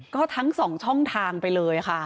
ก็ทั้ง๒ช่องทางไปเลยค่ะ